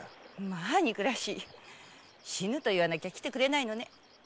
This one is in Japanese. まあ憎らしい「死ぬ」と言わなきゃ来てくれないのね。